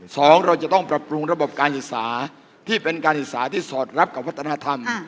เราจะต้องปรับปรุงระบบการศึกษาที่เป็นการศึกษาที่สอดรับกับวัฒนธรรม